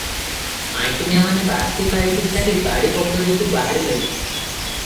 ମାଈକିନିଆମାନେ ବାସିପାଇଟିସାରି ବାଡ଼ି ପୋଖରୀକୁ ବାହାରିଲେଣି ।